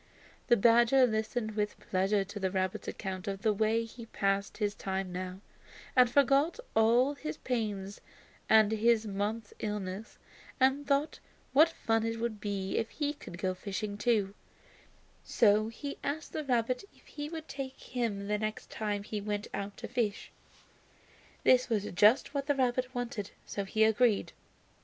The badger listened with pleasure to the rabbit's account of the way he passed his time now, and forgot all his pains and his month's illness, and thought what fun it would be if he could go fishing too; so he asked the rabbit if he would take him the next time he went out to fish. This was just what the rabbit wanted, so he agreed.